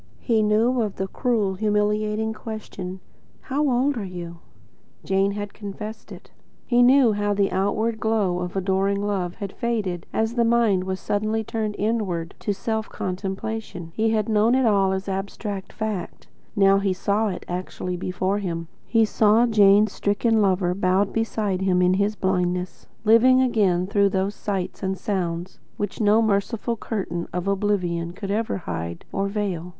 He knew of the cruel, humiliating question: "How old are you?" Jane had confessed to it. He knew how the outward glow of adoring love had faded as the mind was suddenly turned inward to self contemplation. He had known it all as abstract fact. Now he saw it actually before him. He saw Jane's stricken lover, bowed beside him in his blindness, living again through those sights and sounds which no merciful curtain of oblivion could ever hide or veil.